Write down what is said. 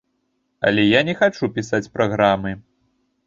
Але я не хачу пісаць праграмы.